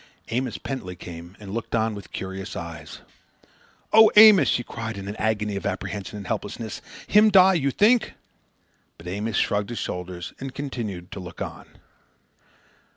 Amos Pentley came and looked on with curious eyes. "Oh, Amos!" she cried in an agony of apprehension and helplessness, "him die, you think?" But Amos shrugged his shoulders and continued to look on.